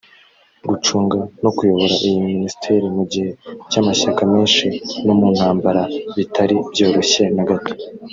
gucunga no kuyobora iyo Ministère mu gihe cy’amashyaka menshi no mu ntambara bitari byoroshye na gato